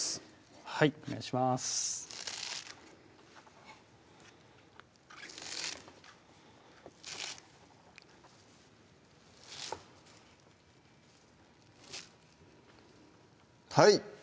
はいお願いしますはい！